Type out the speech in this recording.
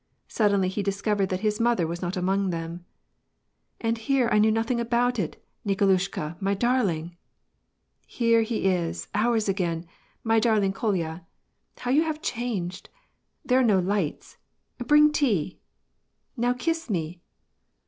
Suddenly, he discovered that his mother was not among them. "And here I knew nothing about it, Nikolushka, my darl ing!" " Here he is — ours again — my darling, Kolya. How you have changed ! There are no lights ! Bring tea/ "" Now kiss me